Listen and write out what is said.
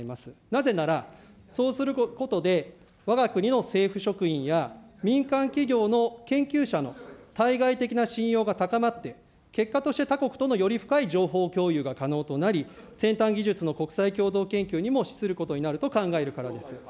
なぜなら、そうすることでわが国の政府職員や民間企業の研究者の対外的な信用が高まって、結果として他国とのより深い情報共有が可能となり、先端技術の国際共同研究にも資することになると考えるからです。